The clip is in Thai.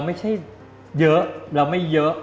ไม่ใช่เยอะแล้วไม่เยอะ